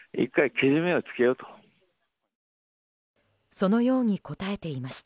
そのように答えていました。